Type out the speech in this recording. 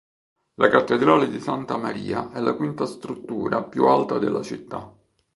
La cattedrale di Santa Maria è la quinta struttura più alta della città.